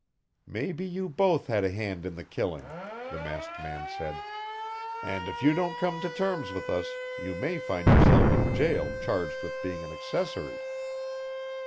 "Maybe you both had a hand in the killing," the masked man said. "And if you don't come to terms with us, you may find yourself in jail charged with being an accessory."